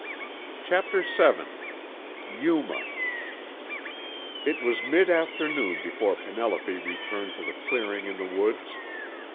Chapter VII YUMA It was midafternoon before Penelope returned to the clearing in the woods.